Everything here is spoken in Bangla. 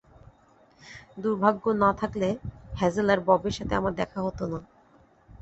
দুর্ভাগ্য না থাকলে, হ্যাজেল আর ববের সাথে আমার দেখা হতো না।